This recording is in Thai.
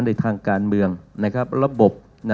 ในทางการเมืองนะครับระบบ